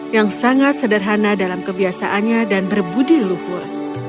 yang sangat sederhana dalam kebiasaannya dan berbudiluhur